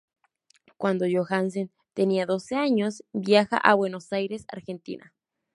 Cuando Johansen tenía doce años, viaja a Buenos Aires, Argentina.